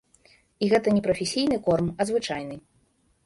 І гэта не прафесійны корм, а звычайны.